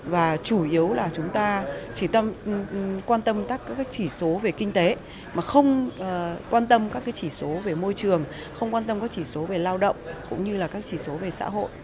và chủ yếu là chúng ta chỉ quan tâm các chỉ số về kinh tế mà không quan tâm các chỉ số về môi trường không quan tâm các chỉ số về lao động cũng như là các chỉ số về xã hội